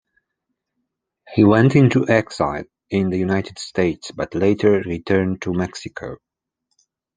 He went into exile in the United States, but later returned to Mexico.